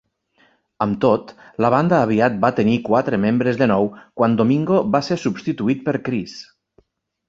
Amb tot, la banda aviat va tenir quatre membres de nou quan Domingo va ser substituït per Chris.